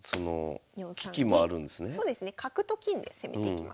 そうですね角と金で攻めていきます。